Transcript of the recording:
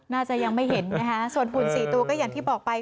น่าจะยังไม่เห็นนะคะส่วนหุ่น๔ตัวก็อย่างที่บอกไป